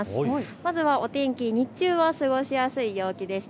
まずはお天気、日中は過ごしやすい陽気でした。